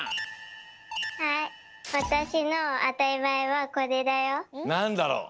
はいわたしのあたりまえはこれだよ。なんだろう？